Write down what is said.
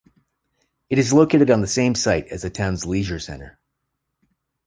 It is located on the same site as the town's leisure centre.